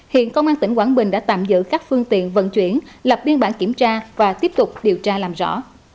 hiện công an tỉnh quảng bình đã tạm giữ các phương tiện vận chuyển lập biên bản kiểm tra và tiếp tục điều tra làm rõ